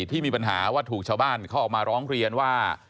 ที่มีปัญหาว่าถูกชาวบ้านเขาออกมาร้องเรียนว่า